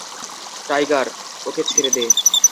Tiger, ওকে ছেড়ে দে!